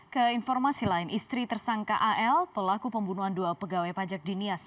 ke informasi lain istri tersangka al pelaku pembunuhan dua pegawai pajak di nias